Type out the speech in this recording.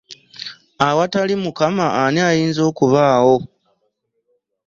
Awatali Mukama ani ayinza okubaawo.